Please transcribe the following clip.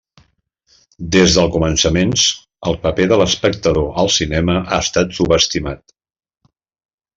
Des dels començaments, el paper de l'espectador al cinema ha estat subestimat.